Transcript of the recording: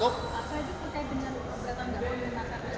kompil beramal yang sudah berpengalaman